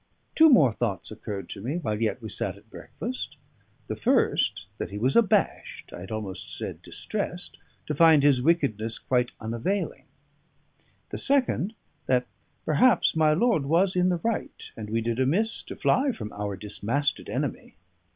Two more thoughts occurred to me while yet we sat at breakfast: the first, that he was abashed I had almost said, distressed to find his wickedness quite unavailing; the second, that perhaps my lord was in the right, and we did amiss to fly from our dismasted enemy.